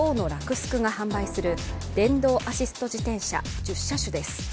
スクが販売する電動アシスト自転車、１０車種です。